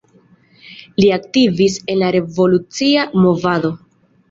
Li aktivis en la revolucia movado.